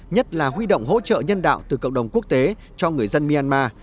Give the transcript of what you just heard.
nhất là huy động hỗ trợ nhân đạo từ cộng đồng quốc tế cho người dân myanmar